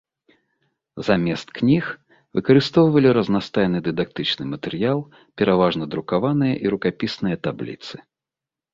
Замест кніг выкарыстоўвалі разнастайны дыдактычны матэрыял, пераважна друкаваныя і рукапісныя табліцы.